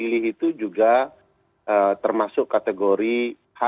di harha' dengan kategori budaya